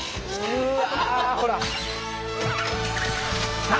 うわ。